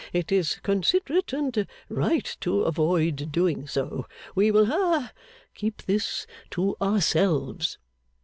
It is considerate and right to avoid doing so. We will ha keep this to ourselves.